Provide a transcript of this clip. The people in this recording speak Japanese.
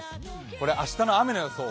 これは明日の雨の予想。